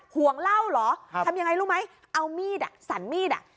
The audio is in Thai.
ห่วงเหล้าเหรอทำยังไงรู้ไหมเอามีดอ่ะสั่นมีดอ่ะ